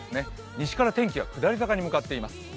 西から天気は下り坂に向かっています。